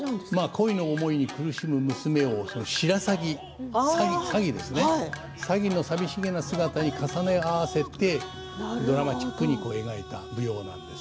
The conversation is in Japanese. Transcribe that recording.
恋の思いに苦しむ娘をしらさぎ、さぎの寂しげな姿に重ね合わせてドラマチックに描いた舞踊なんです。